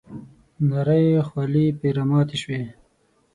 نرۍ خولې پر راماتې شوې .